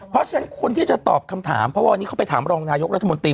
เพราะฉะนั้นคนที่จะตอบคำถามเพราะวันนี้เขาไปถามรองนายกรัฐมนตรี